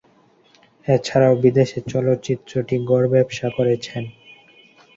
এছাড়াও বিদেশে চলচ্চিত্রটি গড় ব্যবসা করেছেন।